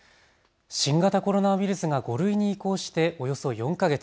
新型コロナウイルスが５類に移行しておよそ４か月。